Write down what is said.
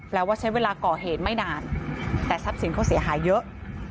แล้วว่าใช้เวลาก่อเหตุไม่นานแต่ทรัพย์สินเขาเสียหายเยอะ